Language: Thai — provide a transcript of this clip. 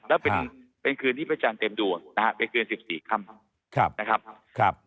แล้วเป็นคืนที่ประชาชนเต็มดวงนะครับเป็นคืน๑๔ค่ำนะครับ